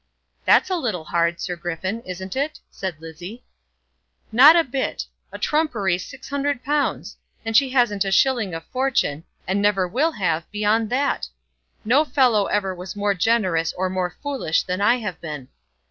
"That's a little hard, Sir Griffin, isn't it?" said Lizzie. "Not a bit. A trumpery six hundred pounds! And she hasn't a shilling of fortune, and never will have, beyond that! No fellow ever was more generous or more foolish than I have been."